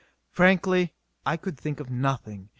Frankly I could think of nothing.